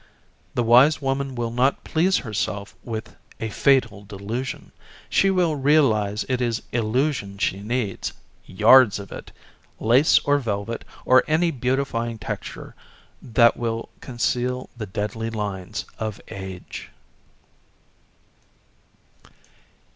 The wise woman will not please herself with a fatal delusion. She will realize it is illusion she needs yards of it lace or velvet, or any beautifying texture that will conceal the deadly lines of age.